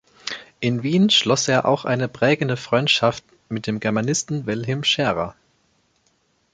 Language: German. In Wien schloss er auch eine prägende Freundschaft mit dem Germanisten Wilhelm Scherer.